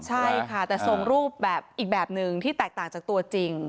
ใช่ค่ะแต่ส่งรูปแบบอีกแบบหนึ่งที่แตกต่างจากตัวจริง